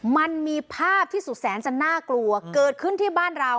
มันมีภาพที่สุดแสนจะน่ากลัวเกิดขึ้นที่บ้านเรา